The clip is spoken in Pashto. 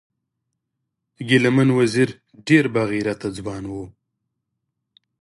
ګلمن وزیر ډیر با غیرته ځوان و